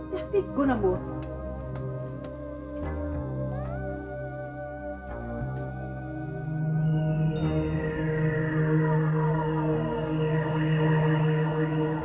tapi aku nambuh